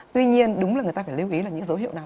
tuy nhiên đúng là người ta phải lưu ý là những dấu hiệu nào